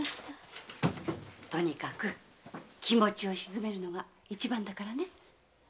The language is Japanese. とにかく気持ちを静めるのが一番だからね。